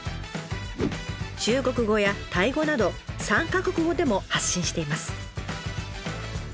中国語やタイ語など３か国語でも発信しています。